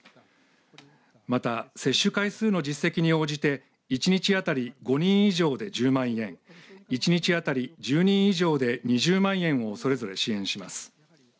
また、接種回数の実績に応じて１日当たり５人以上で１０万円１日当たり１０人以上で２０万円をそれぞれ支援します。